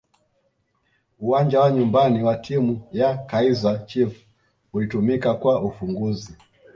uwanja wa nyumbani wa timu ya kaizer chiefs ulitumika kwa ufunguzi